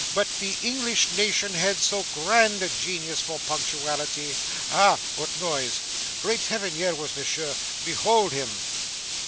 But the English nation had so grand a genius for punctuality. Ah! what noise! Great Heaven, here was Monsieur. Behold him!"